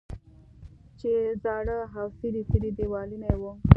چې زاړه او څیري څیري دیوالونه یې وو.